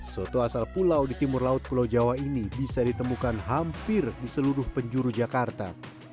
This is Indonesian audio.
soto asal pulau di timur laut pulau jawa ini bisa ditemukan hampir di seluruh penjuru jakarta